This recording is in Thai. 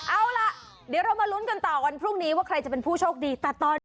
เอาล่ะเดี๋ยวเรามาลุ้นกันต่อวันพรุ่งนี้ว่าใครจะเป็นผู้โชคดีแต่ตอนนี้